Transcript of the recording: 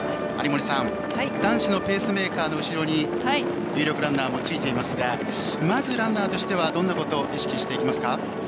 有森さん男子のペースメーカーの後ろに有力ランナーもついていますがまずランナーとしてはどんなことを意識していきますか。